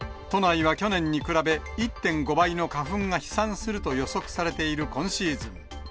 都内は去年に比べ、１．５倍の花粉が飛散すると予測されている今シーズン。